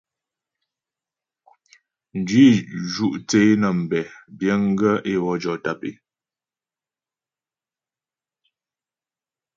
Mjwǐ ju' thə́ é nə́ mbɛ biəŋ gaə́ é wɔ jɔ tàp é.